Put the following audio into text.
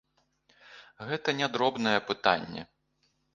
Гэта не дробнае пытанне.